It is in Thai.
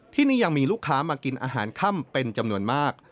ที่นี่ยังมีลูกค้ามากินอาหารค่ำเป็นจำนวนมาก